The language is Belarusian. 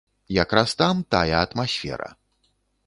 Як раз там тая атмасфера.